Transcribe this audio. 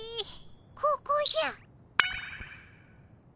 ここじゃ。